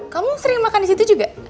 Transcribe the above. kamu sering makan disitu juga